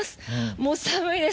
もう寒いです。